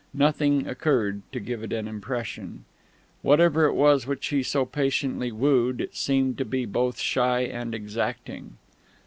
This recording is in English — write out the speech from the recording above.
Nothing occurred to give it an impression. Whatever it was which he so patiently wooed, it seemed to be both shy and exacting.